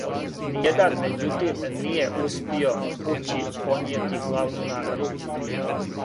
Ниједан меđутим није успио кући понијети главну награду.